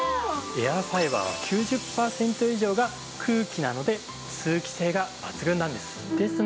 エアファイバーは９０パーセント以上が空気なので通気性が抜群なんです。